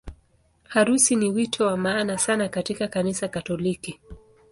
Harusi ni wito wa maana sana katika Kanisa Katoliki.